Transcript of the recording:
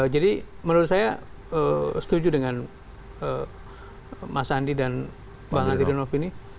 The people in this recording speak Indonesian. jadi menurut saya setuju dengan mas andi dan bang atidonov ini